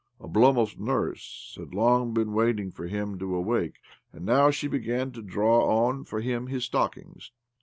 Oblomov's nurse had long been waiting for him to awake, and now she began to draw on for him his stockings.